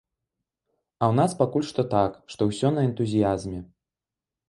А ў нас пакуль што так, што ўсё на энтузіязме.